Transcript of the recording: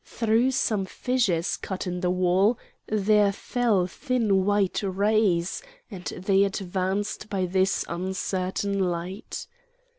Through some fissures cut in the wall there fell thin white rays, and they advanced by this uncertain light.